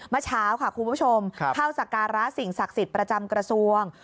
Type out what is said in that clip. เมื่อเช้าค่ะคุณผู้ชมเข้าสการะสิ่งศักดิ์สิทธิ์ประจำกระทรวง